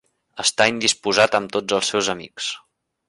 Està indisposat amb tots els seus amics.